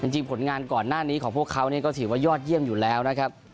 จริงผลงานก่อนหน้านี้ของพวกเขาก็ถือว่ายอดเยี่ยมอยู่แล้วนะครับ